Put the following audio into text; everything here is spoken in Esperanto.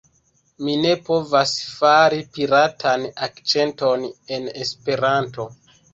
Mi ne povas fari piratan akĉenton en Esperanto